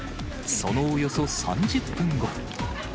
そのおよそ３０分後。